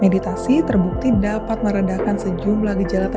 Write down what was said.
meditasi terbukti dapat meredakan sejumlah gejala terkait stres